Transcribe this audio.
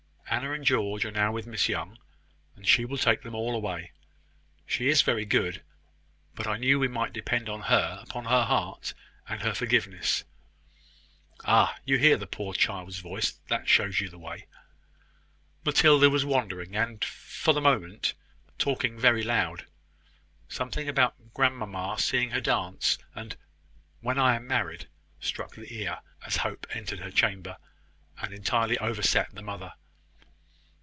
Anna and George are now with Miss Young, and she will take them all away. She is very good: but I knew we might depend upon her upon her heart, and her forgiveness. Ah! you hear the poor child's voice. That shows you the way." Matilda was wandering, and, for the moment, talking very loud. Something about grandmamma seeing her dance, and "When I am married," struck the ear as Hope entered her chamber, and entirely overset the mother.